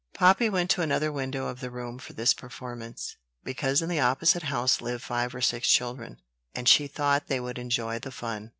Poppy went to another window of the room for this performance, because in the opposite house lived five or six children, and she thought they would enjoy the fun.